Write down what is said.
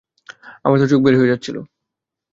আমার তো চোখ বের হয়ে যাচ্ছিল।